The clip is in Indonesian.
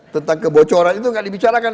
tentang kebocoran itu nggak dibicarakan